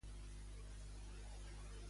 Què ha demanat a l'Audiència espanyola?